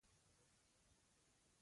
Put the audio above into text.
لاس یې په توره پرې کړ.